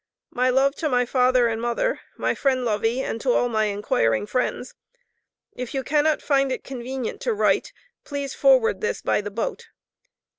My love to my father & mother, my friend Lovey & to all my inquiring friends. If you cannot find it convenient to write, please forward this by the Boat.